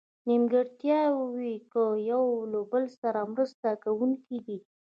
نیمګړتیاوو کې یو له بله سره مرسته کوونکي دي.